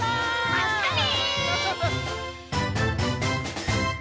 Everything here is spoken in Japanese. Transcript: まったね！